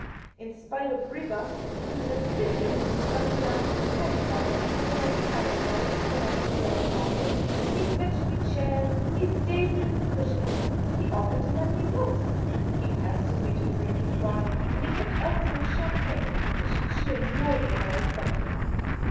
In spite of rebuffs, he was assiduous in running down the companion ladder for my parasol or my smelling bottle ; he fetched me chairs ; he stayed me with cushions ; he offered to lend me books ; he pestered me to drink his wine ; and he kept Elsie in champagne, which she annoyed me by accept ing.